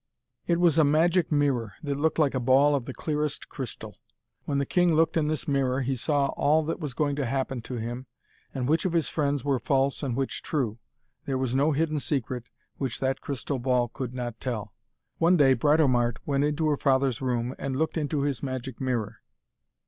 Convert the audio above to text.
It was a magic mirror, that looked like a ball of the clearest crystal. When the king looked in this mirror he saw all that was going to happen to him, and which of his friends were false and which true. There was no hidden secret which that crystal ball could not tell. One day Britomart went into her father's room and looked into his magic mirror.